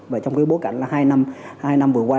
và trong cái bối cảnh là hai năm vừa qua